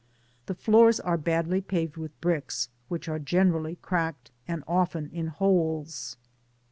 The floors are badly paved with bricks, which are generally cracked, and often in holes.